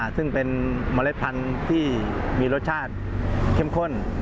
ซึ่งเป็นเมล็ดพันธุ์ที่มีรสชาติเข้มข้น